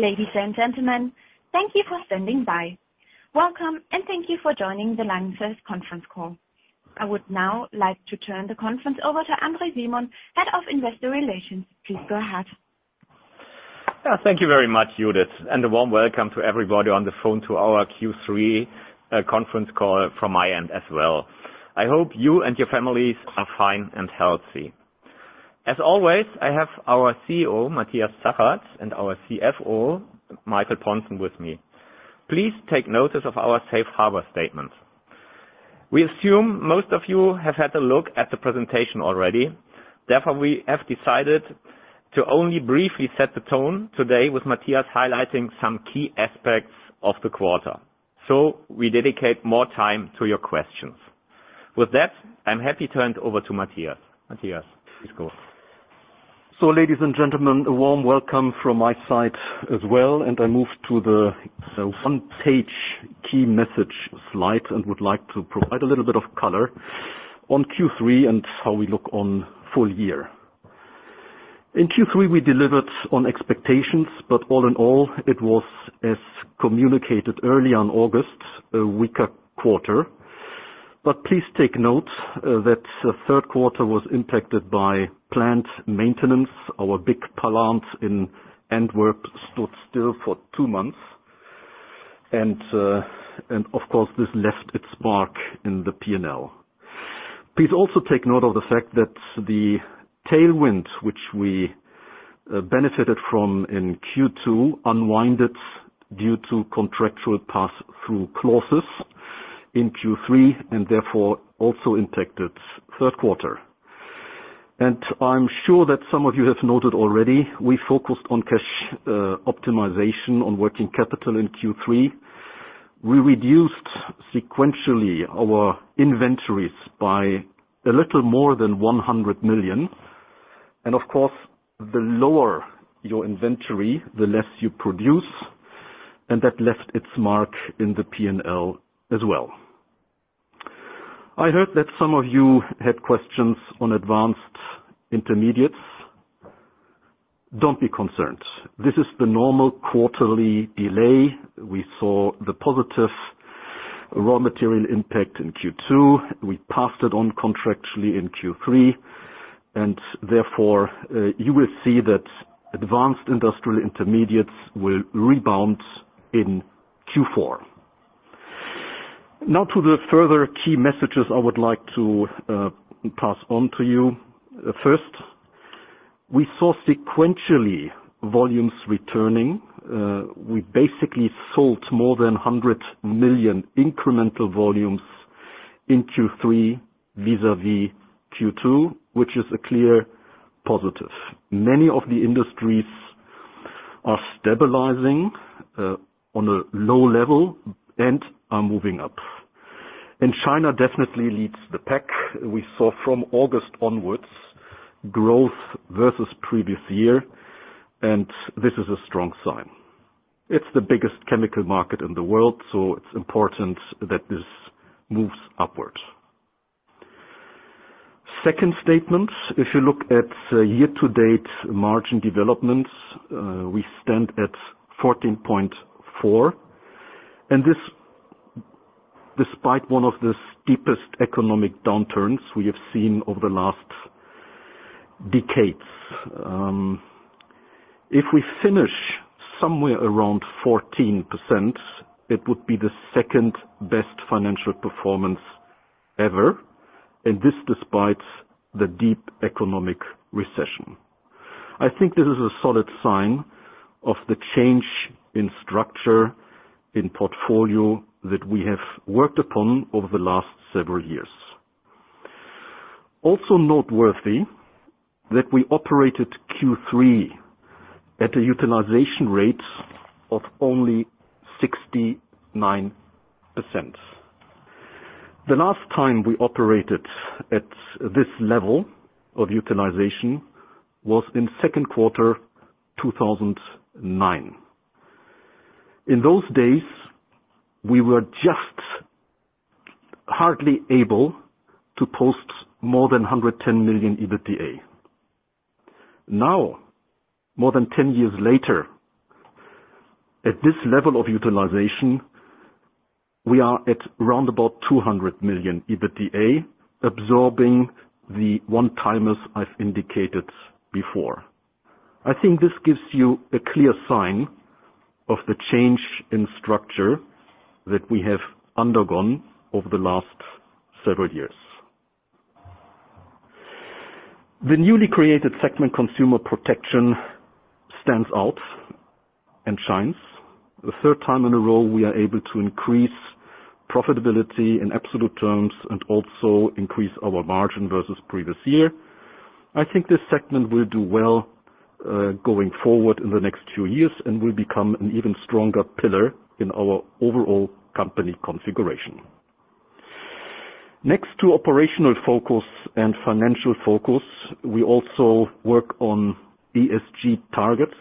Ladies and gentlemen, thank you for standing by. Welcome, and thank you for joining the LANXESS Conference Call. I would now like to turn the conference over to André Simon, Head of Investor Relations. Please go ahead. Thank you very much, Judith, and a warm welcome to everybody on the phone to our Q3 Conference Call from my end as well. I hope you and your families are fine and healthy. As always, I have our CEO, Matthias Zachert, and our CFO, Michael Pontzen, with me. Please take notice of our safe harbor statement. We assume most of you have had a look at the presentation already. Therefore, we have decided to only briefly set the tone today with Matthias highlighting some key aspects of the quarter. We dedicate more time to your questions. With that, I'm happy to hand over to Matthias. Matthias, please go on. Ladies and gentlemen, a warm welcome from my side as well, and I move to the one-page key message slide and would like to provide a little bit of color on Q3 and how we look on full year. In Q3, we delivered on expectations, but all in all, it was, as communicated early on August, a weaker quarter. Please take note that the third quarter was impacted by plant maintenance. Our big plant in Antwerp stood still for two months. Of course, this left its mark in the P&L. Please also take note of the fact that the tailwind, which we benefited from in Q2, unwound due to contractual pass-through clauses in Q3, and therefore, also impacted third quarter. I'm sure that some of you have noted already, we focused on cash optimization on working capital in Q3. We reduced sequentially our inventories by a little more than 100 million. Of course, the lower your inventory, the less you produce, and that left its mark in the P&L as well. I heard that some of you had questions on Advanced Intermediates. Don't be concerned. This is the normal quarterly delay. We saw the positive raw material impact in Q2. We passed it on contractually in Q3, therefore, you will see that Advanced Industrial Intermediates will rebound in Q4. Now to the further key messages I would like to pass on to you. First, we saw sequentially volumes returning. We basically sold more than 100 million incremental volumes in Q3 vis-à-vis Q2, which is a clear positive. Many of the industries are stabilizing on a low level and are moving up. China definitely leads the pack. We saw from August onwards growth versus previous year. This is a strong sign. It's the biggest chemical market in the world. It's important that this moves upwards. Second statement, if you look at year-to-date margin developments, we stand at 14.4%, and this despite one of the steepest economic downturns we have seen over the last decades. If we finish somewhere around 14%, it would be the second-best financial performance ever, and this despite the deep economic recession. I think this is a solid sign of the change in structure, in portfolio that we have worked upon over the last several years. Also noteworthy that we operated Q3 at a utilization rate of only 69%. The last time we operated at this level of utilization was in second quarter 2009. In those days, we were just hardly able to post more than 110 million EBITDA. Now, more than 10 years later, at this level of utilization, we are at round about 200 million EBITDA, absorbing the one-timers I've indicated before. I think this gives you a clear sign of the change in structure that we have undergone over the last several years. The newly created segment Consumer Protection stands out and shines. The third time in a row, we are able to increase profitability in absolute terms and also increase our margin versus previous year. I think this segment will do well, going forward in the next two years and will become an even stronger pillar in our overall company configuration. Next to operational focus and financial focus, we also work on ESG targets.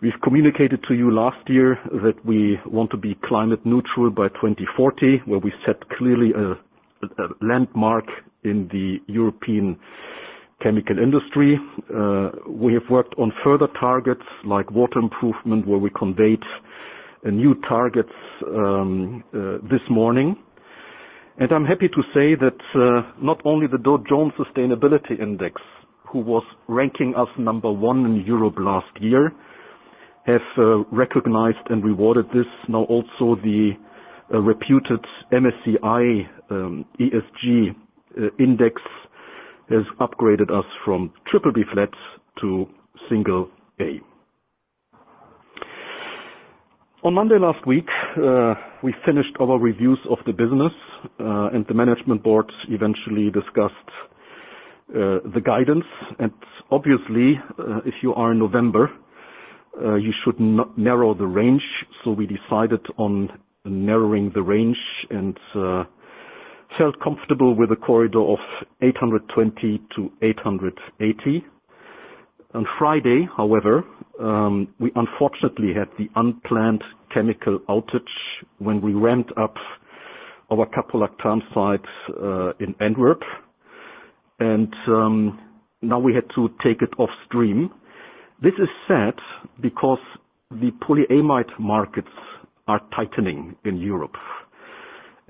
We've communicated to you last year that we want to be climate neutral by 2040, where we set clearly a landmark in the European chemical industry. We have worked on further targets like water improvement, where we conveyed new targets this morning. I'm happy to say that not only the Dow Jones Sustainability Index, who was ranking us number one in Europe last year, has recognized and rewarded this. Now also the reputed MSCI ESG Index has upgraded us from BBB to A. On Monday last week, we finished our reviews of the business, and the management board eventually discussed the guidance. Obviously, if you are in November, you should narrow the range. We decided on narrowing the range and felt comfortable with a corridor of 820-880. On Friday, however, we unfortunately had the unplanned chemical outage when we ramped up our caprolactam sites in Antwerp, and now we had to take it off stream. This is sad because the polyamide markets are tightening in Europe.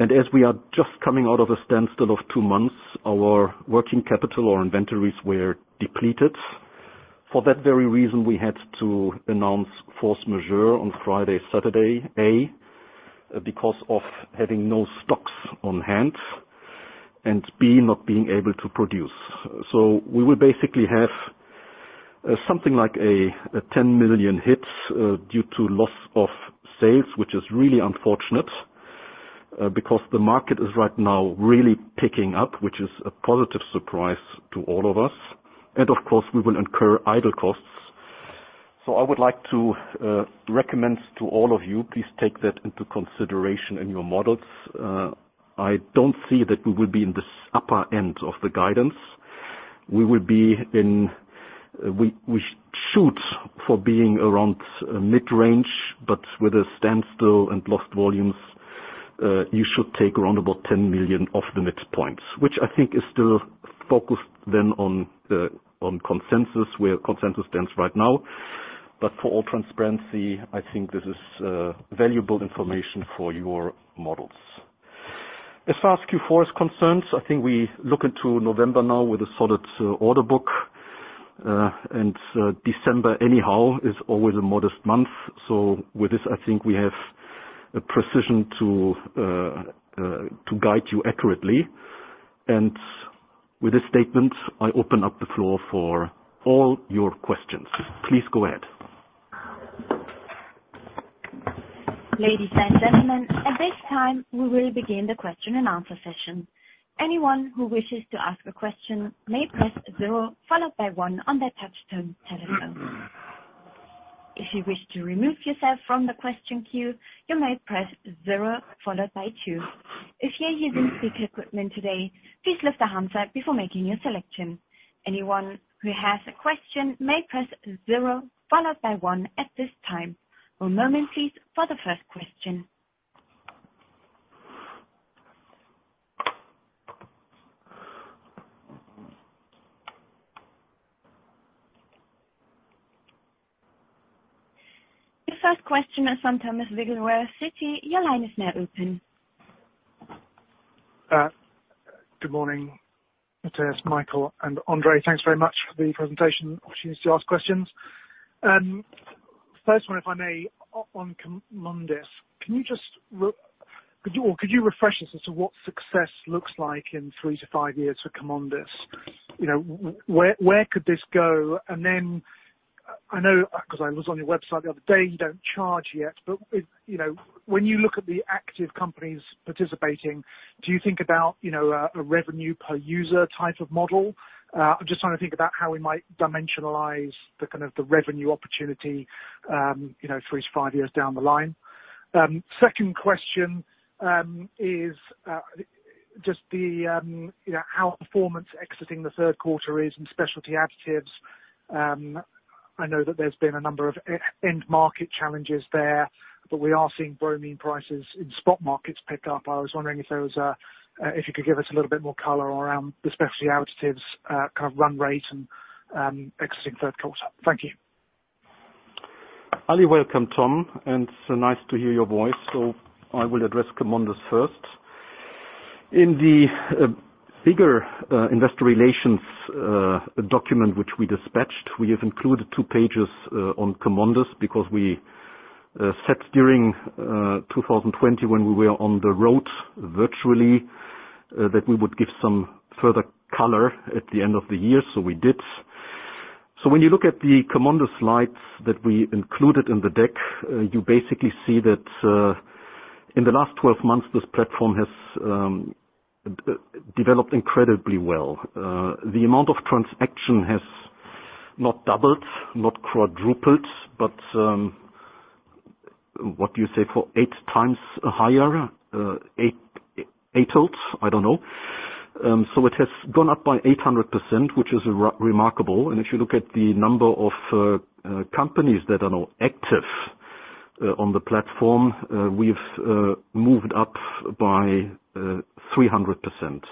As we are just coming out of a standstill of two months, our working capital, our inventories were depleted. For that very reason, we had to announce force majeure on Friday, Saturday. A, because of having no stocks on hand and B, not being able to produce. We will basically have something like a 10 million hits due to loss of sales, which is really unfortunate, because the market is right now really picking up, which is a positive surprise to all of us. Of course, we will incur idle costs. I would like to recommend to all of you, please take that into consideration in your models. I don't see that we will be in this upper end of the guidance. We shoot for being around mid-range, but with a standstill and lost volumes, you should take around about 10 million of the midpoints, which I think is still focused then on consensus, where consensus stands right now. For all transparency, I think this is valuable information for your models. As far as Q4 is concerned, I think we look into November now with a solid order book, and December anyhow is always a modest month. With this, I think we have a precision to guide you accurately. With this statement, I open up the floor for all your questions. Please go ahead. One moment, please, for the first question. The first question is from Thomas Wrigglesworth, Citi. Your line is now open. Good morning, Matthias, Michael, and André. Thanks very much for the presentation. Opportunity to ask questions. First one, if I may, on CheMondis. Could you refresh us as to what success looks like in three to five years for CheMondis? Where could this go? Then I know because I was on your website the other day, you don't charge yet. When you look at the active companies participating, do you think about a revenue per user type of model? I'm just trying to think about how we might dimensionalize the kind of the revenue opportunity three to five years down the line. Second question is just how performance exiting the third quarter is in Specialty Additives. I know that there's been a number of end market challenges there, but we are seeing bromine prices in spot markets pick up. I was wondering if you could give us a little bit more color around the Specialty Additives kind of run rate and exiting third quarter. Thank you. Early welcome, Tom, and nice to hear your voice. I will address CheMondis first. In the bigger Investor Relations document which we dispatched, we have included two pages on CheMondis because we said during 2020 when we were on the road virtually, that we would give some further color at the end of the year, so we did. When you look at the CheMondis slides that we included in the deck, you basically see that in the last 12 months, this platform has developed incredibly well. The amount of transaction has not doubled, not quadrupled, but what do you say? For eight times higher. It has gone up by 800%, which is remarkable. If you look at the number of companies that are now active on the platform, we've moved up by 300%.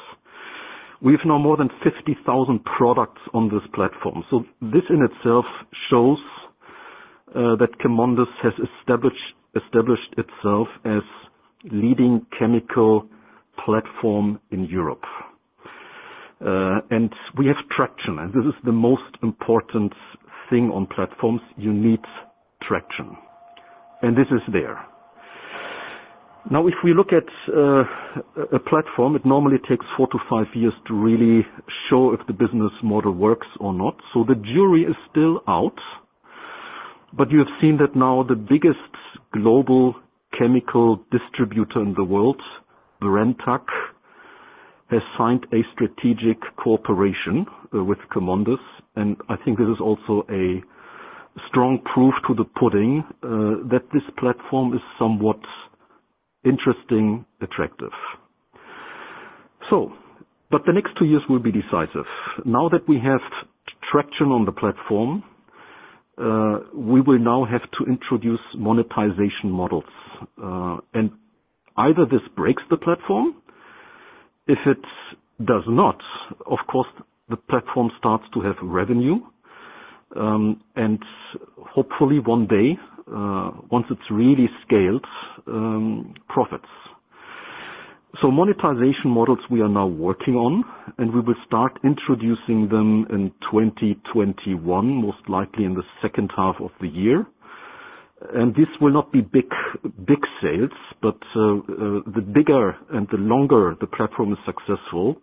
We have now more than 50,000 products on this platform. This in itself shows that CheMondis has established itself as leading chemical platform in Europe. We have traction, and this is the most important thing on platforms. You need traction. This is there. If we look at a platform, it normally takes four to five years to really show if the business model works or not. The jury is still out, you have seen that now the biggest global chemical distributor in the world, Brenntag, has signed a strategic cooperation with CheMondis, I think this is also a strong proof to the pudding that this platform is somewhat interesting, attractive. The next two years will be decisive. That we have traction on the platform, we will now have to introduce monetization models. Either this breaks the platform. If it does not, of course, the platform starts to have revenue, and hopefully one day, once it's really scaled, profits. Monetization models we are now working on, and we will start introducing them in 2021, most likely in the second half of the year. This will not be big sales, but the bigger and the longer the platform is successful,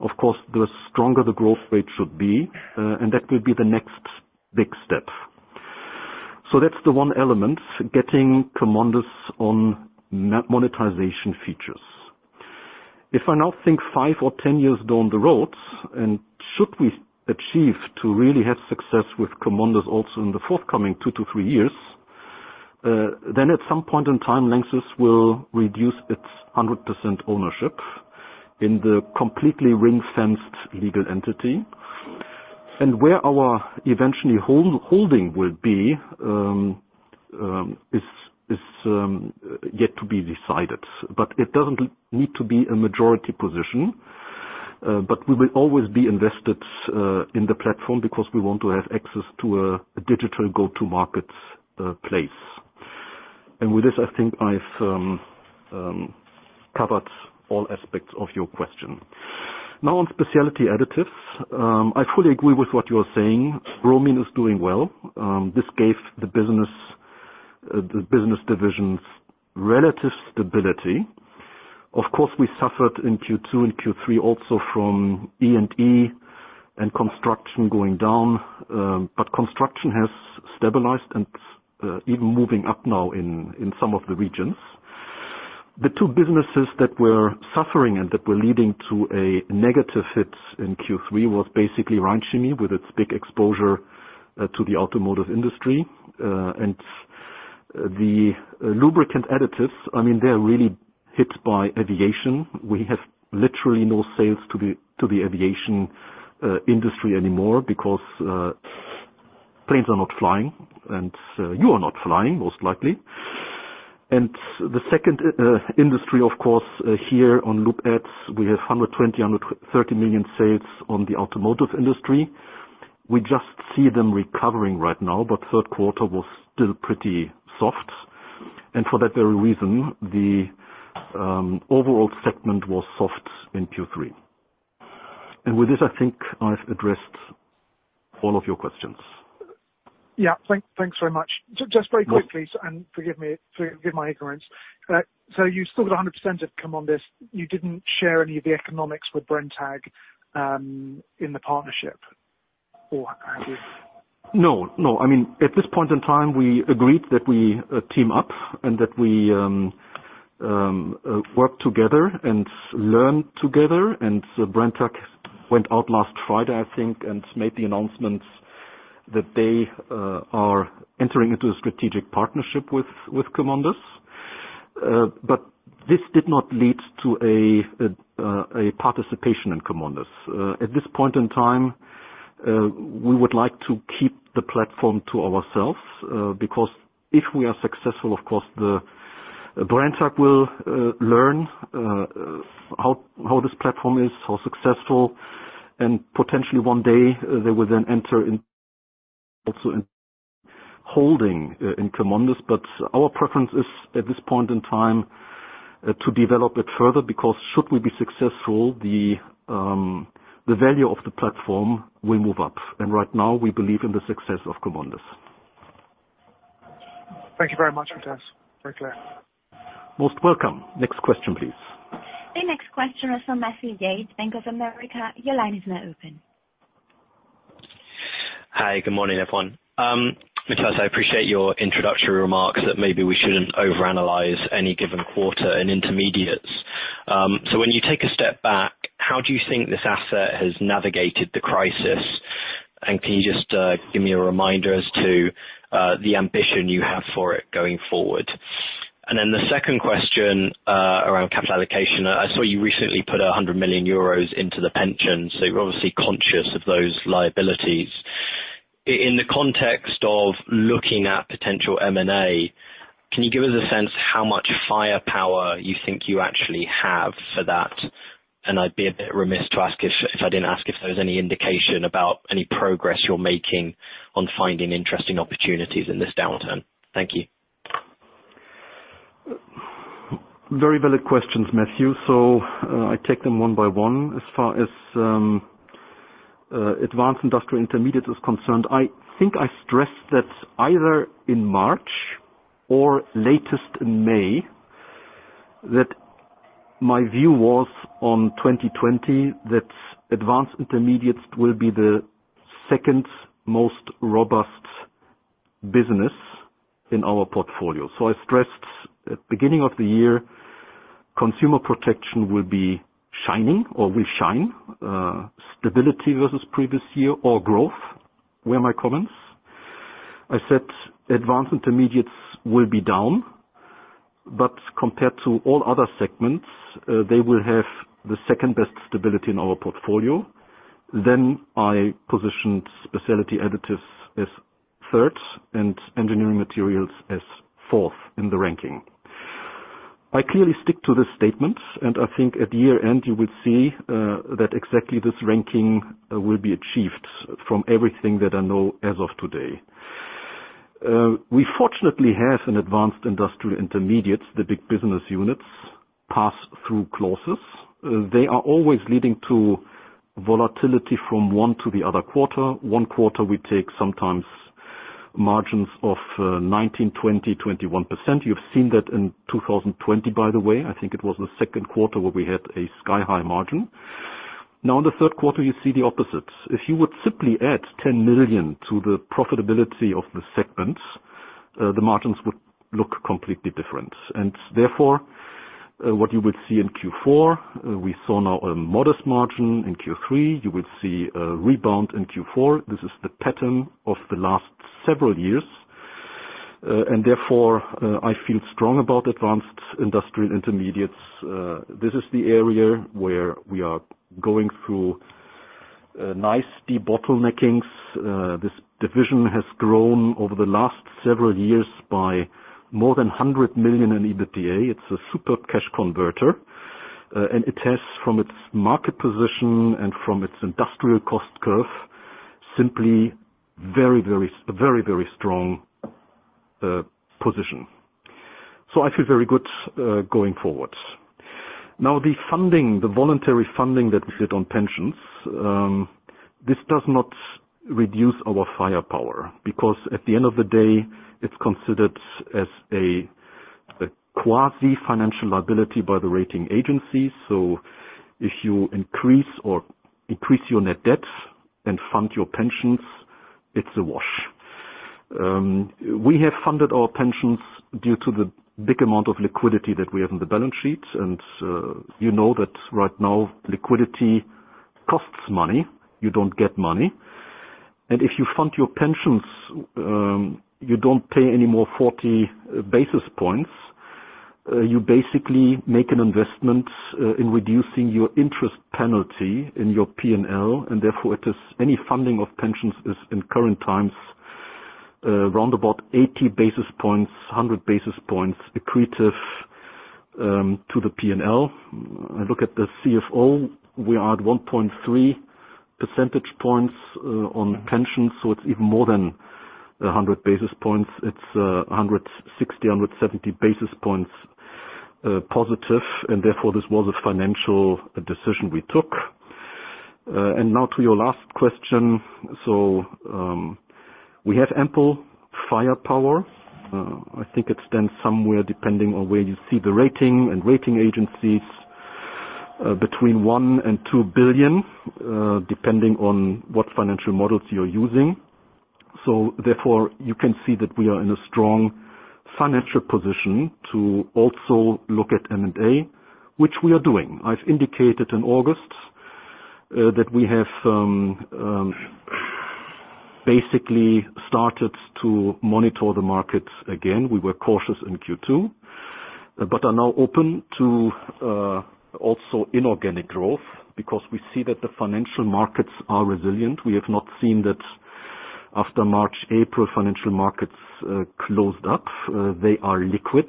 of course, the stronger the growth rate should be, and that will be the next big step. That's the one element, getting CheMondis on monetization features. If I now think five or 10 years down the road, and should we achieve to really have success with CheMondis also in the forthcoming two to three years, then at some point in time, LANXESS will reduce its 100% ownership in the completely ring-fenced legal entity. Where our eventually holding will be is yet to be decided. It doesn't need to be a majority position. We will always be invested in the platform because we want to have access to a digital go-to market place. With this, I think I've covered all aspects of your question. Now on Specialty Additives. I fully agree with what you're saying. bromine is doing well. This gave the business divisions relative stability. Of course, we suffered in Q2 and Q3 also from E&E and construction going down, but construction has stabilized and even moving up now in some of the regions. The two businesses that were suffering and that were leading to a negative hit in Q3 was basically Rhein Chemie with its big exposure to the automotive industry. The Lubricant Additives, they're really hit by aviation. We have literally no sales to the aviation industry anymore because planes are not flying and you are not flying, most likely. The second industry, of course, here on lube adds, we have 130 million sales on the automotive industry. We just see them recovering right now, but third quarter was still pretty soft. For that very reason, the overall segment was soft in Q3. With this, I think I've addressed all of your questions. Yeah. Thanks very much. Just very quickly, and forgive my ignorance. You've still got 100% of CheMondis. You didn't share any of the economics with Brenntag in the partnership? Or have you? No. At this point in time, we agreed that we team up and that we work together and learn together. Brenntag went out last Friday, I think, and made the announcements that they are entering into a strategic partnership with CheMondis. This did not lead to a participation in CheMondis. At this point in time, we would like to keep the platform to ourselves, because if we are successful, of course, Brenntag will learn how this platform is, how successful, and potentially one day they will then enter in also in holding in CheMondis. Our preference is, at this point in time, to develop it further, because should we be successful, the value of the platform will move up. Right now, we believe in the success of CheMondis. Thank you very much, Matthias. Very clear. Most welcome. Next question, please. The next question is from Matthew Yates, Bank of America. Your line is now open. Hi. Good morning, everyone. Matthias, I appreciate your introductory remarks that maybe we shouldn't overanalyze any given quarter in intermediates. When you take a step back, how do you think this asset has navigated the crisis? Can you just give me a reminder as to the ambition you have for it going forward? Then the second question around capital allocation. I saw you recently put 100 million euros into the pension, so you're obviously conscious of those liabilities. In the context of looking at potential M&A, can you give us a sense how much firepower you think you actually have for that? I'd be a bit remiss if I didn't ask if there was any indication about any progress you're making on finding interesting opportunities in this downturn. Thank you. Very valid questions, Matthew. I take them one by one. As far as Advanced Industrial Intermediates is concerned, I think I stressed that either in March or latest in May, that my view was on 2020, that Advanced Intermediates will be the second most robust business in our portfolio. I stressed at beginning of the year, Consumer Protection will be shining or will shine. Stability versus previous year or growth were my comments. I said Advanced Intermediates will be down, but compared to all other segments, they will have the second-best stability in our portfolio. I positioned Specialty Additives as third and Engineering Materials as fourth in the ranking. I clearly stick to this statement, and I think at year-end you will see that exactly this ranking will be achieved from everything that I know as of today. We fortunately have an Advanced Industrial Intermediates, the big business units pass through clauses. They are always leading to volatility from one to the other quarter. One quarter, we take sometimes margins of 19%, 20%, 21%. You've seen that in 2020, by the way, I think it was the second quarter where we had a sky-high margin. Now, in the third quarter, you see the opposite. If you would simply add 10 million to the profitability of the segment, the margins would look completely different. Therefore, what you would see in Q4, we saw now a modest margin in Q3. This is the pattern of the last several years. Therefore, I feel strong about Advanced Industrial Intermediates. This is the area where we are going through nice de-bottleneckings. This division has grown over the last several years by more than 100 million in EBITDA. It's a superb cash converter, and it has from its market position and from its industrial cost curve, simply a very strong position. I feel very good going forward. Now, the funding, the voluntary funding that we did on pensions, this does not reduce our firepower because at the end of the day, it's considered as a quasi-financial liability by the rating agency. If you increase your net debt and fund your pensions, it's a wash. We have funded our pensions due to the big amount of liquidity that we have on the balance sheet. You know that right now, liquidity costs money. You don't get money. If you fund your pensions, you don't pay any more 40 basis points. You basically make an investment in reducing your interest penalty in your P&L, and therefore, any funding of pensions is in current times, around about 80 basis points, 100 basis points accretive to the P&L. I look at the CFO, we are at 1.3 percentage points on pensions, it's even more than 100 basis points. It's 160-170 basis points positive, and therefore, this was a financial decision we took. Now to your last question. We have ample firepower. I think it stands somewhere, depending on where you see the rating and rating agencies, between 1 billion and 2 billion, depending on what financial models you're using. Therefore, you can see that we are in a strong financial position to also look at M&A, which we are doing. I've indicated in August that we have basically started to monitor the markets again. We were cautious in Q2, but are now open to also inorganic growth because we see that the financial markets are resilient. We have not seen that after March, April, financial markets closed up. They are liquid.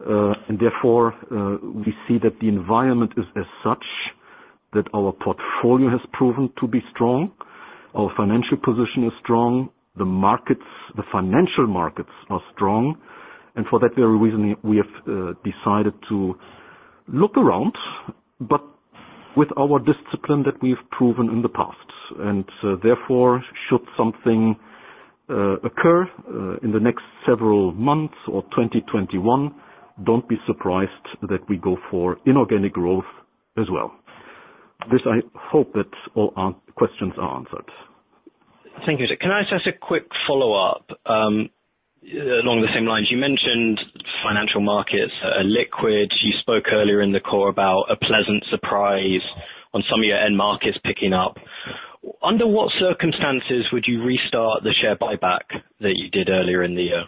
Therefore, we see that the environment is as such that our portfolio has proven to be strong. Our financial position is strong. The financial markets are strong. For that very reason, we have decided to look around, but with our discipline that we've proven in the past, and therefore, should something occur in the next several months or 2021, don't be surprised that we go for inorganic growth as well. This I hope that all our questions are answered. Thank you. Can I just ask a quick follow-up? Along the same lines, you mentioned financial markets are liquid. You spoke earlier in the call about a pleasant surprise on some of your end markets picking up. Under what circumstances would you restart the share buyback that you did earlier in the year?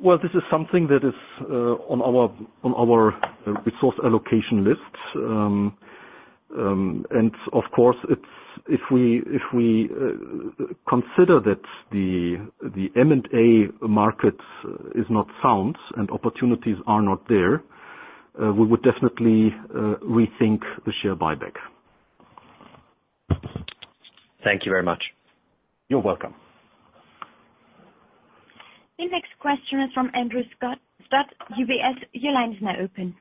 Well, this is something that is on our resource allocation list. Of course, if we consider that the M&A market is not sound and opportunities are not there, we would definitely rethink the share buyback. Thank you very much. You're welcome. The next question is from Andrew Stott, UBS. Your line is now open.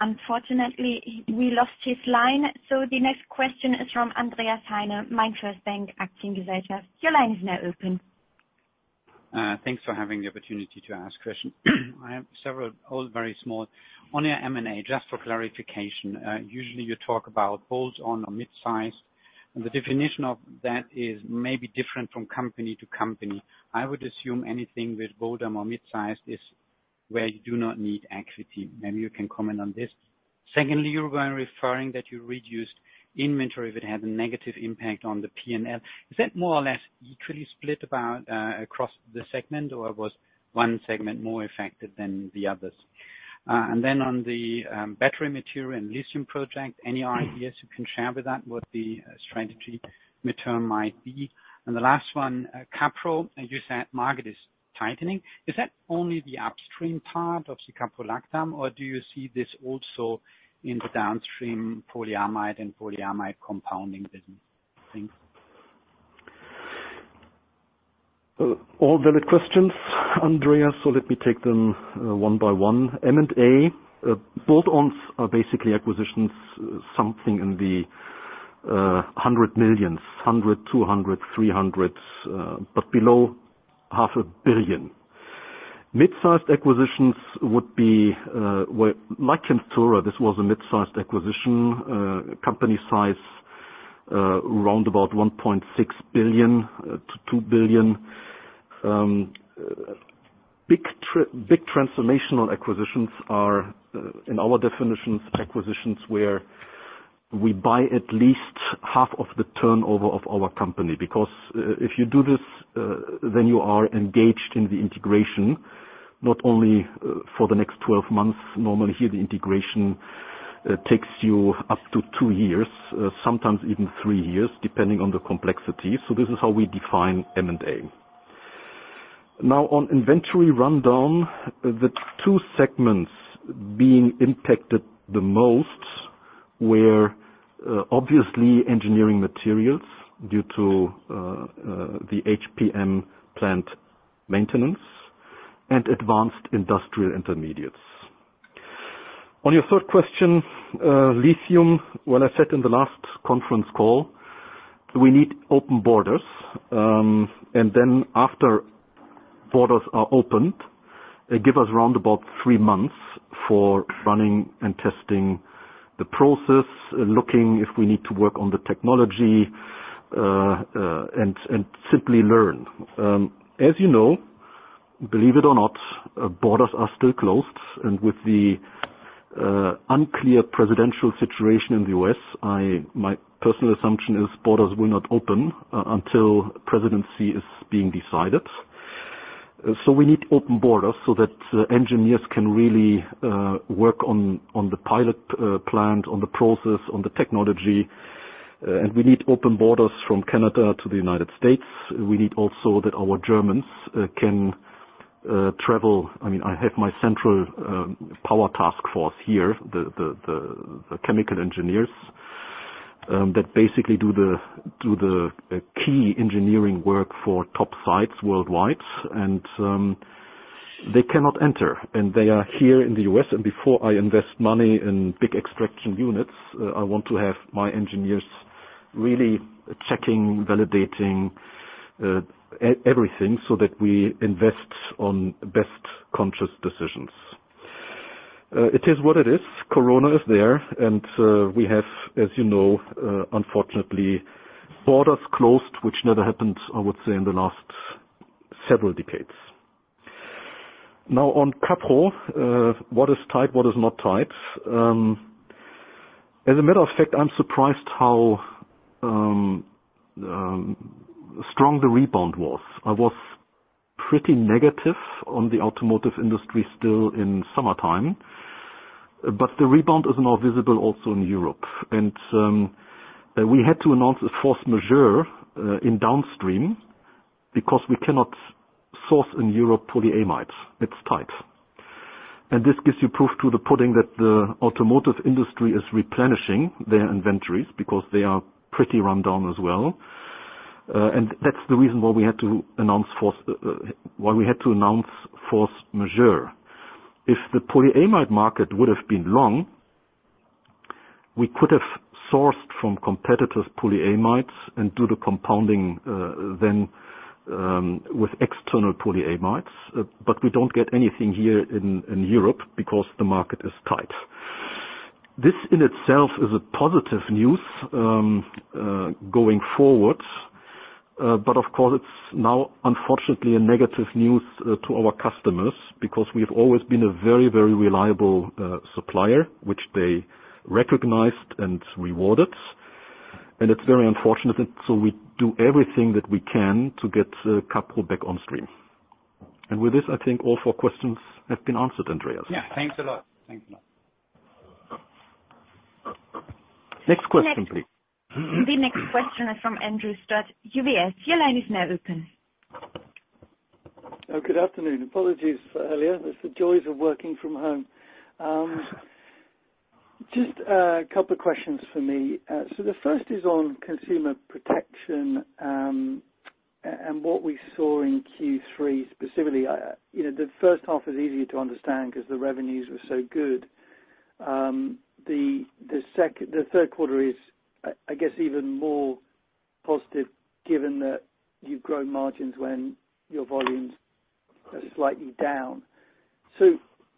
Unfortunately, we lost his line. The next question is from Andreas Heine, MainFirst Bank Aktiengesellschaft. Your line is now open. Thanks for having the opportunity to ask questions. I have several, all very small. On your M&A, just for clarification, usually you talk about bolt-on or mid-size, and the definition of that is maybe different from company to company. I would assume anything with bolt-on or mid-size is where you do not need equity. Maybe you can comment on this. Secondly, you were referring that you reduced inventory that had a negative impact on the P&L. Is that more or less equally split about across the segment, or was one segment more affected than the others? On the battery material and lithium project, any ideas you can share with that, what the strategy midterm might be? The last one, caprolactam, you said market is tightening. Is that only the upstream part of the caprolactam, or do you see this also in the downstream polyamide and polyamide compounding business? Thanks. All valid questions, Andreas. Let me take them one by one. M&A, bolt-ons are basically acquisitions, something in the hundred millions, 100, 200, 300, but below half a billion. Mid-sized acquisitions like Chemtura, this was a mid-sized acquisition, company size roundabout 1.6 billion to 2 billion. Big transformational acquisitions are, in our definitions, acquisitions where we buy at least half of the turnover of our company. If you do this, then you are engaged in the integration, not only for the next 12 months. Normally here, the integration takes you up to two years, sometimes even three years, depending on the complexity. This is how we define M&A. On inventory rundown, the two segments being impacted the most were obviously Engineering Materials due to the HPM plant maintenance and Advanced Industrial Intermediates. On your third question, lithium, well, I said in the last conference call, we need open borders. Then after borders are opened, they give us around about three months for running and testing the process, looking if we need to work on the technology, and simply learn. As you know, believe it or not, borders are still closed, and with the unclear presidential situation in the U.S., my personal assumption is borders will not open until presidency is being decided. We need open borders so that engineers can really work on the pilot plant, on the process, on the technology. We need open borders from Canada to the United States. We need also that our Germans can travel. I have my central power task force here, the chemical engineers that basically do the key engineering work for top sites worldwide. They cannot enter, and they are here in the U.S. Before I invest money in big extraction units, I want to have my engineers really checking, validating everything so that we invest on best conscious decisions. It is what it is. Corona is there. We have, as you know, unfortunately, borders closed, which never happened, I would say, in the last several decades. Now on caprolactam, what is tight, what is not tight. As a matter of fact, I'm surprised how strong the rebound was. I was pretty negative on the automotive industry still in summertime. The rebound is now visible also in Europe. We had to announce a force majeure in downstream because we cannot source in Europe polyamides. It's tight. This gives you proof to the pudding that the automotive industry is replenishing their inventories because they are pretty run down as well. That's the reason why we had to announce force majeure. If the polyamide market would have been long, we could have sourced from competitors polyamides and do the compounding then with external polyamides, but we don't get anything here in Europe because the market is tight. This in itself is a positive news going forward. Of course, it's now unfortunately a negative news to our customers, because we have always been a very reliable supplier, which they recognized and rewarded. It's very unfortunate. We do everything that we can to get capro back on stream. With this, I think all four questions have been answered, Andreas. Yeah. Thanks a lot. Next question, please. The next question is from Andrew Stott, UBS. Your line is now open. Good afternoon. Apologies for earlier. It's the joys of working from home. Just a couple of questions for me. The first is on Consumer Protection, and what we saw in Q3 specifically. The first half is easier to understand because the revenues were so good. The third quarter is, I guess, even more positive given that you've grown margins when your volumes are slightly down.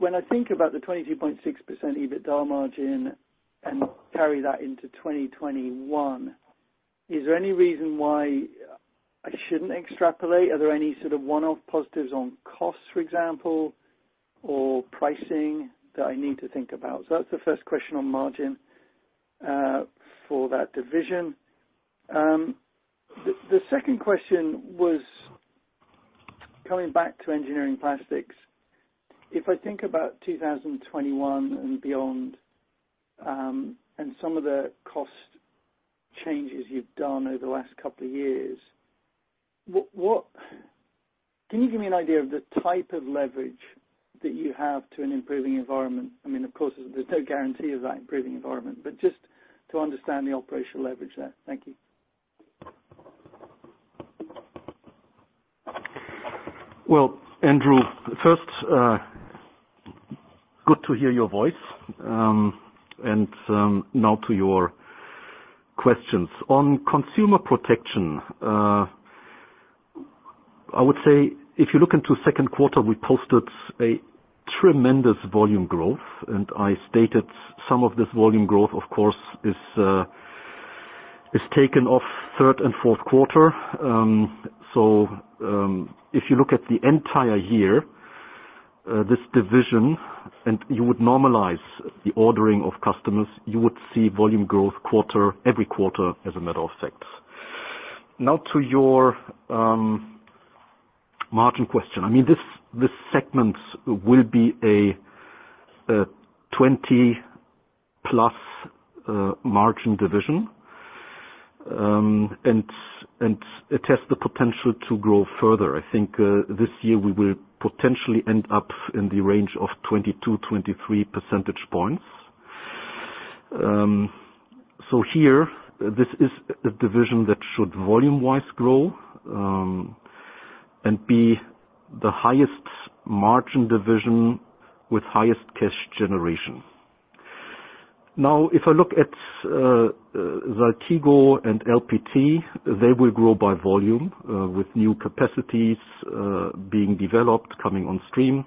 When I think about the 22.6% EBITDA margin and carry that into 2021, is there any reason why I shouldn't extrapolate? Are there any sort of one-off positives on costs, for example, or pricing that I need to think about? That's the first question on margin for that division. The second question was coming back to Engineering Plastics. If I think about 2021 and beyond, and some of the cost changes you've done over the last couple of years, can you give me an idea of the type of leverage that you have to an improving environment? Of course, there's no guarantee of that improving environment, but just to understand the operational leverage there. Thank you. Well, Andrew, first, good to hear your voice. Now to your questions. On Consumer Protection, I would say if you look into second quarter, we posted a tremendous volume growth. I stated some of this volume growth, of course, is taken off third and fourth quarter. If you look at the entire year, this division, and you would normalize the ordering of customers, you would see volume growth every quarter as a matter of fact. Now to your margin question. This segment will be a 20+ margin division, and it has the potential to grow further. I think this year we will potentially end up in the range of 22-23 percentage points. Here, this is a division that should volume-wise grow, and be the highest margin division with highest cash generation. If I look at Saltigo and LPT, they will grow by volume, with new capacities being developed, coming on stream.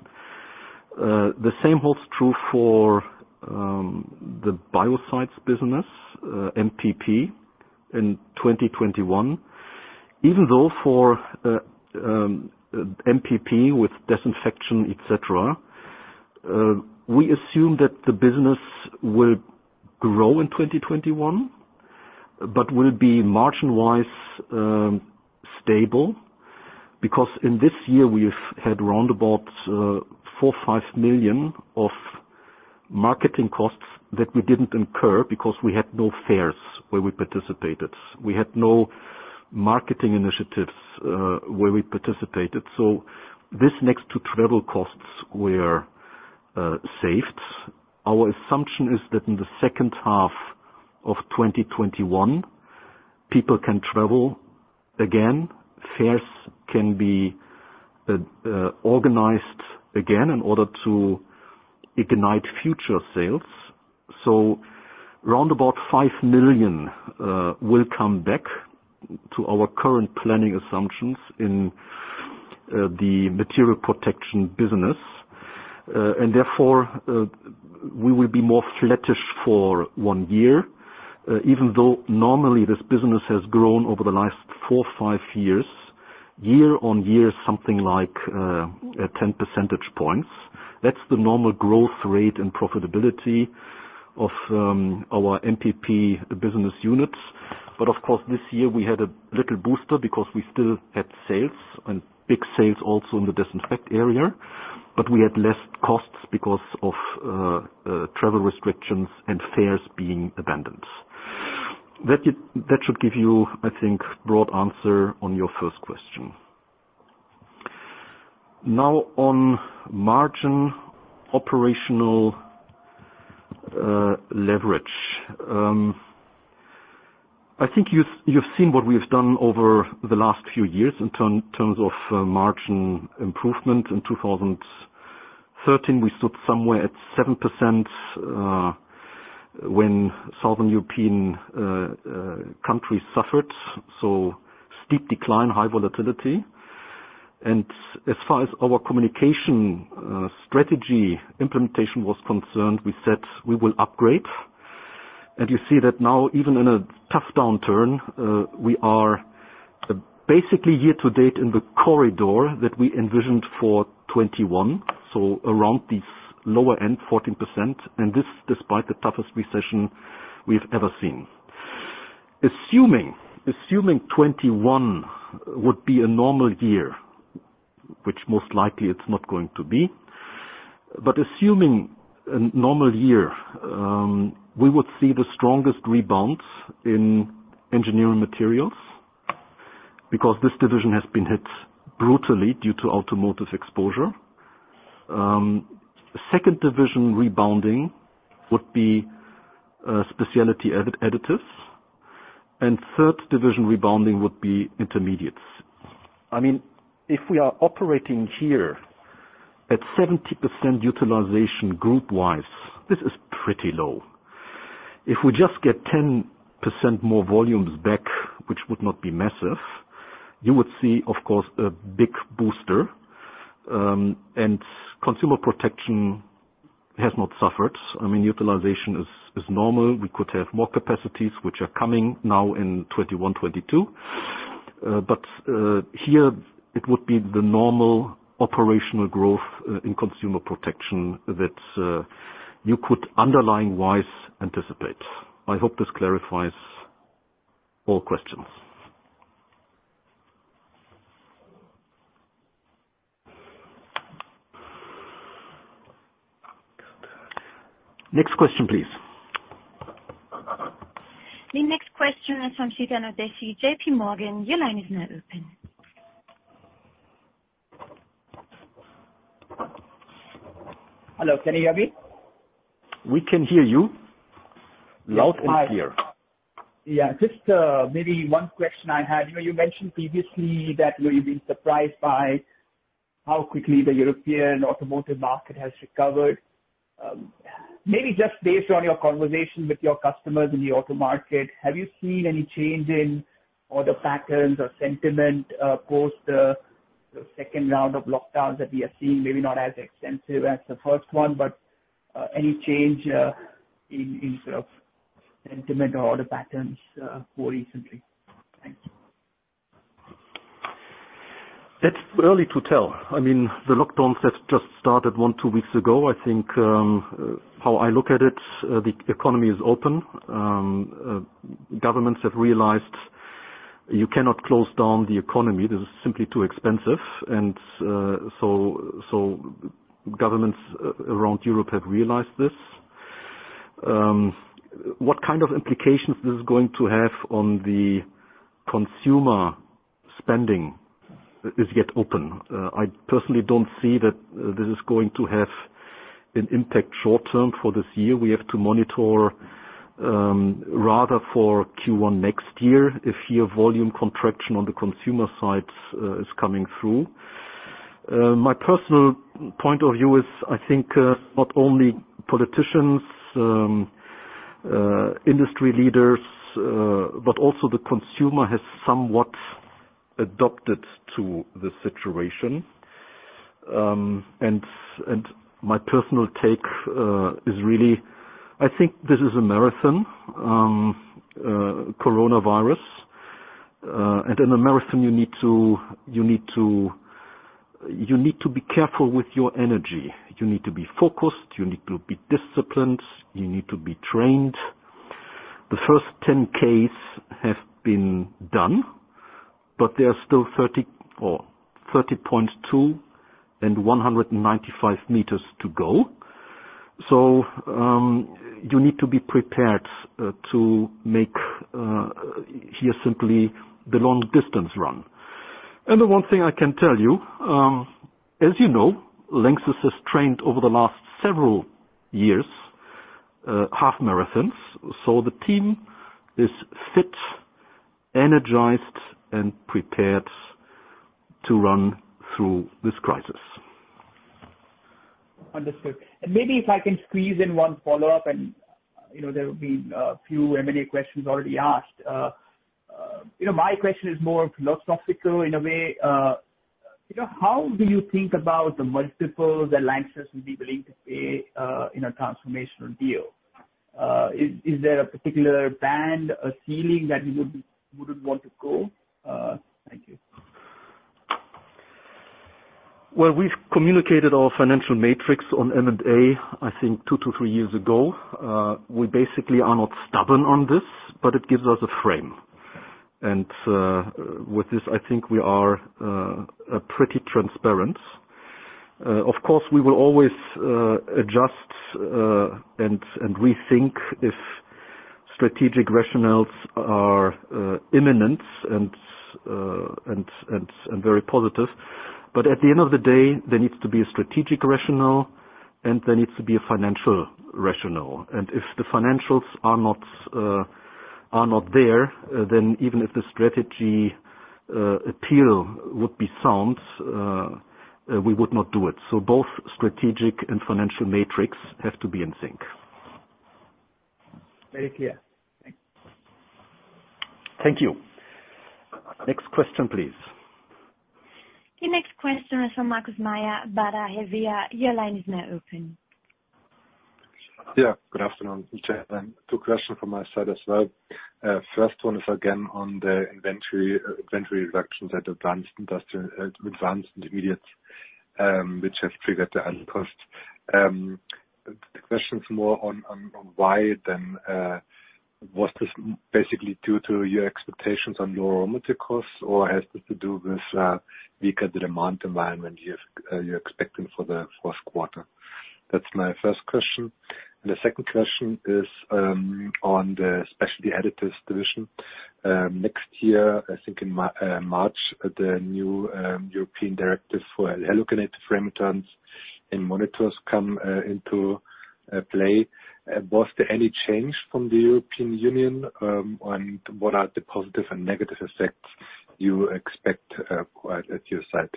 The same holds true for the biocides business, MPP, in 2021. For MPP with disinfection, et cetera, we assume that the business will grow in 2021, but will be margin-wise stable. In this year, we've had roundabout 4 million-5 million of marketing costs that we didn't incur because we had no fairs where we participated. We had no marketing initiatives where we participated. This next two travel costs were saved. Our assumption is that in the second half of 2021, people can travel again, fairs can be organized again in order to ignite future sales. Roundabout 5 million will come back to our current planning assumptions in the material protection business. Therefore, we will be more flattish for one year, even though normally this business has grown over the last four or five years, year on year, something like 10 percentage points. That's the normal growth rate and profitability of our MPP business unit. Of course, this year we had a little booster because we still had sales and big sales also in the disinfect area, but we had less costs because of travel restrictions and fairs being abandoned. That should give you, I think, broad answer on your first question. Now on margin operational leverage. I think you've seen what we've done over the last few years in terms of margin improvement. In 2013, we stood somewhere at 7% when Southern European countries suffered, so steep decline, high volatility. As far as our communication strategy implementation was concerned, we said we will upgrade. You see that now, even in a tough downturn, we are basically year to date in the corridor that we envisioned for 2021, so around this lower end 14%, and this despite the toughest recession we've ever seen. Assuming 2021 would be a normal year, which most likely it's not going to be, but assuming a normal year, we would see the strongest rebounds in Engineering Materials because this division has been hit brutally due to automotive exposure. Second division rebounding would be Specialty Additives, and third division rebounding would be Intermediates. If we are operating here at 70% utilization group-wise, this is pretty low. If we just get 10% more volumes back, which would not be massive, you would see, of course, a big booster. Consumer Protection has not suffered. Utilization is normal. We could have more capacities, which are coming now in 2021, 2022. Here it would be the normal operational growth in Consumer Protection that you could underlying-wise anticipate. I hope this clarifies all questions. Next question, please. The next question is from Chetan Udeshi, JPMorgan, your line is now open. Hello, can you hear me? We can hear you loud and clear. Yeah. Just maybe one question I had. You mentioned previously that you've been surprised by how quickly the European automotive market has recovered. Maybe just based on your conversation with your customers in the auto market, have you seen any change in order patterns or sentiment post the second round of lockdowns that we are seeing? Maybe not as extensive as the first one. Any change in sort of sentiment or order patterns more recently? Thanks. It's early to tell. The lockdowns have just started one, two weeks ago. I think, how I look at it, the economy is open. Governments have realized you cannot close down the economy. This is simply too expensive. Governments around Europe have realized this. What kind of implications this is going to have on the consumer spending is yet open. I personally don't see that this is going to have an impact short-term for this year. We have to monitor rather for Q1 next year if year volume contraction on the consumer side is coming through. My personal point of view is, I think not only politicians, industry leaders, but also the consumer has somewhat adapted to the situation. My personal take is really, I think this is a marathon, coronavirus. In a marathon you need to be careful with your energy. You need to be focused, you need to be disciplined, you need to be trained. The first 10Ks have been done, but there are still 30.2 and 195 m to go. You need to be prepared to make here simply the long distance run. The one thing I can tell you, as you know, LANXESS has trained over the last several years, half marathons. The team is fit, energized, and prepared to run through this crisis. Understood. Maybe if I can squeeze in one follow-up, there have been a few M&A questions already asked. My question is more philosophical in a way. How do you think about the multiples that LANXESS will be willing to pay in a transformational deal? Is there a particular band or ceiling that you wouldn't want to go? Thank you. Well, we've communicated our financial matrix on M&A, I think two to three years ago. We basically are not stubborn on this. It gives us a frame. With this, I think we are pretty transparent. Of course, we will always adjust, and rethink if strategic rationales are imminent and very positive. At the end of the day, there needs to be a strategic rationale and there needs to be a financial rationale. If the financials are not there, then even if the strategy appeal would be sound, we would not do it. Both strategic and financial matrix have to be in sync. Very clear. Thanks. Thank you. Next question, please. The next question is from Markus Mayer, Baader Helvea. Your line is now open. Yeah. Good afternoon, gentlemen. Two questions from my side as well. First one is again on the inventory reductions at Advanced Intermediates, which have triggered the idle cost. The question is more on why then was this basically due to your expectations on lower raw material costs, or has this to do with weaker the demand environment you're expecting for the fourth quarter? That's my first question. The second question is on the Specialty Additives division. Next year, I think in March, the new European directive for halogenated flame retardants in monitors come into play. Was there any change from the European Union? What are the positive and negative effects you expect at your side?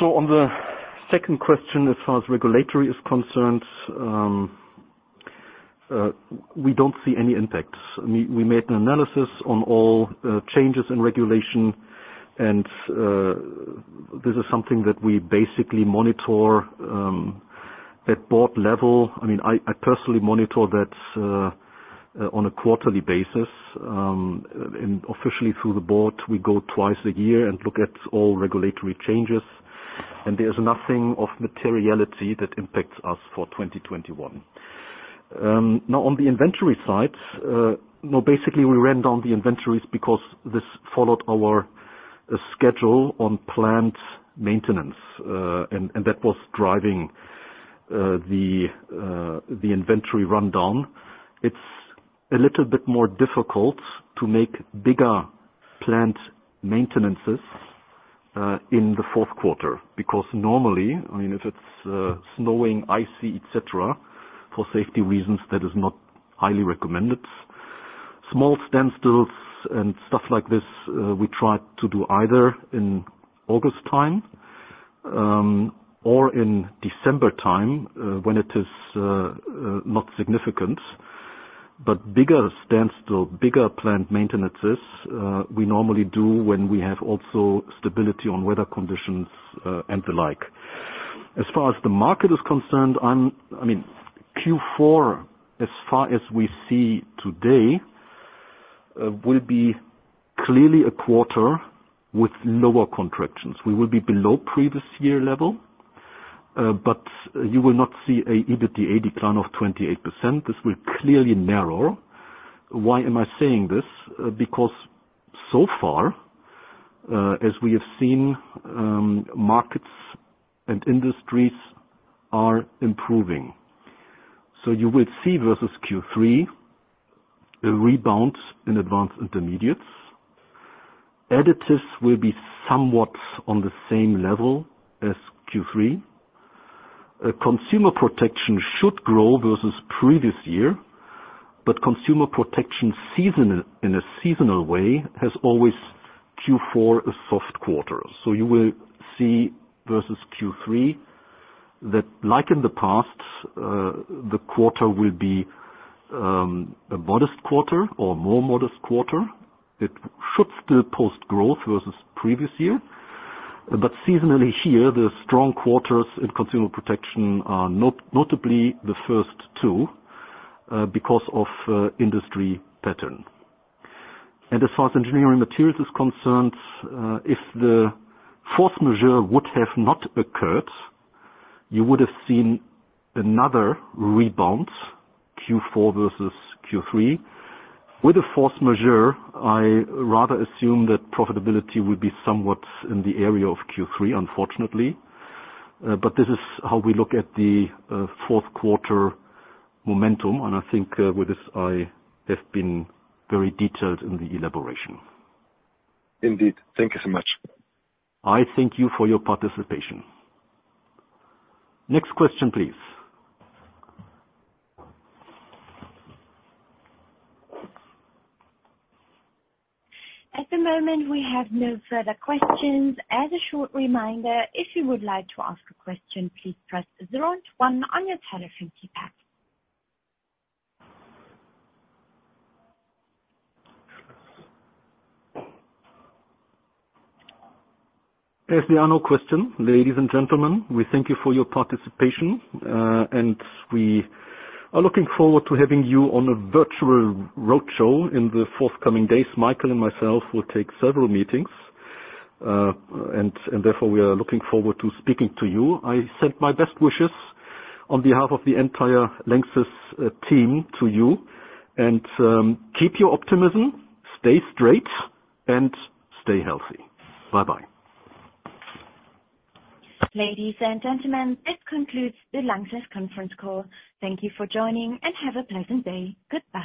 On the second question, as far as regulatory is concerned, we don't see any impacts. We made an analysis on all changes in regulation, and this is something that we basically monitor at board level. I personally monitor that on a quarterly basis, and officially through the board, we go twice a year and look at all regulatory changes. There's nothing of materiality that impacts us for 2021. Now, on the inventory side, basically we ran down the inventories because this followed our schedule on planned maintenance, and that was driving the inventory rundown. It's a little bit more difficult to make bigger planned maintenances in the fourth quarter, because normally, if it's snowing, icy, et cetera, for safety reasons, that is not highly recommended. Small standstills and stuff like this, we try to do either in August time or in December time, when it is not significant. Bigger standstill, bigger planned maintenances, we normally do when we have also stability on weather conditions, and the like. As far as the market is concerned, Q4, as far as we see today, will be clearly a quarter with lower contractions. We will be below previous year level, but you will not see a EBITDA decline of 28%. This will clearly narrow. Why am I saying this? Because so far, as we have seen, markets and industries are improving. You will see versus Q3 a rebound in Advanced Intermediates. Additives will be somewhat on the same level as Q3. Consumer Protection should grow versus previous year, Consumer Protection in a seasonal way has always Q4 a soft quarter. You will see versus Q3 that like in the past, the quarter will be a modest quarter or more modest quarter. It should still post growth versus previous year. Seasonally here, the strong quarters in Consumer Protection are notably the first two, because of industry pattern. As far as Engineering Materials is concerned, if the force majeure would have not occurred, you would have seen another rebound, Q4 versus Q3. With the force majeure, I rather assume that profitability would be somewhat in the area of Q3, unfortunately. This is how we look at the fourth quarter momentum, and I think with this, I have been very detailed in the elaboration. Indeed. Thank you so much. I thank you for your participation. Next question, please. At the moment, we have no further questions. As a short reminder, if you would like to ask a question, please press zero and one on your telephone keypad. As there are no question, ladies and gentlemen, we thank you for your participation, and we are looking forward to having you on a virtual road show in the forthcoming days. Michael and myself will take several meetings, and therefore we are looking forward to speaking to you. I send my best wishes on behalf of the entire LANXESS team to you, and keep your optimism, stay straight, and stay healthy. Bye-bye. Ladies and gentlemen, this concludes the LANXESS conference call. Thank you for joining, and have a pleasant day. Goodbye.